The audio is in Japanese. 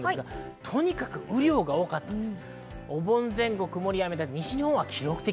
とにかく雨量が多かったんです。